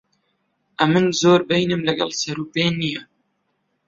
ئەمن زۆر بەینم لەگەڵ سەر و پێ نییە.